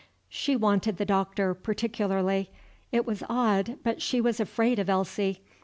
She wanted the Doctor, particularly. It was odd, but she was afraid of Elsie.